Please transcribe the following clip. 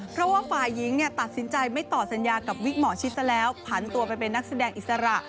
เพราะว่าฝ่ายหญิงตัดสินใจไม่ต่อสัญญากับวิกหมอชิดซะแล้วผันตัวไปเป็นนักแสดงอิสระ